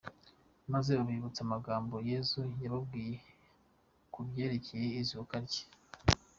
Maze babibutsa amagambo Yezu yababwiye kubyerekeye izuka rye.